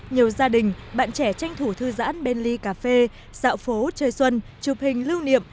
nhiều gia đình bạn trẻ tranh thủ thư giãn bên ly cà phê dạo phố chơi xuân chụp hình lưu niệm